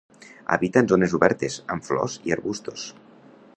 Habita en zones obertes, amb flors i arbustos.